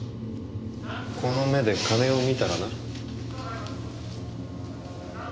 この目で金を見たらな。